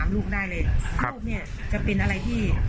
รูปนี้จะเป็นอะไรที่